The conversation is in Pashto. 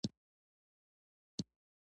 ما ولیدل چې په کور کې ټول خوشحال دي